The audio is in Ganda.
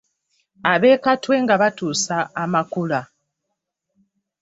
Ab’e Katwe nga batuusa amakula.